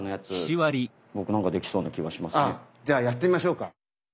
ああじゃあやってみましょうか。